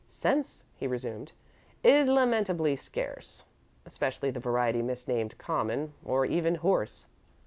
"Sense," he resumed, "is lamentably scarce, especially the variety misnamed common or even horse.